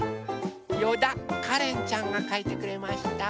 よだかれんちゃんがかいてくれました。